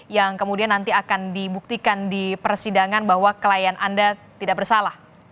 yang kemudian nanti akan dibuktikan di persidangan bahwa klien anda tidak bersalah